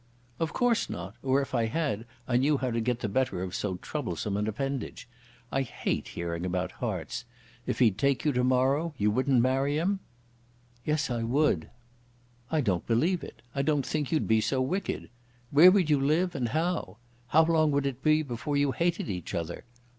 "Of course not; or, if I had, I knew how to get the better of so troublesome an appendage. I hate hearing about hearts. If he'd take you to morrow you wouldn't marry him?" "Yes, I would." "I don't believe it. I don't think you'd be so wicked. Where would you live, and how? How long would it be before you hated each other?